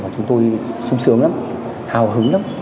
chúng tôi sung sướng lắm hào hứng lắm